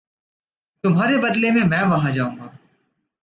तुम्हारे बदले मैं वहाँ जाऊँगा।